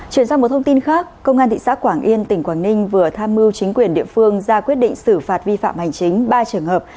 chuyển sang một thông tin khác công an thị xã quảng yên tỉnh quảng ninh vừa tham mưu chính quyền địa phương ra quyết định xử phạt vi phạm hành chính ba trường hợp